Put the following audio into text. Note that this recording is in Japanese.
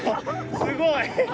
すごい。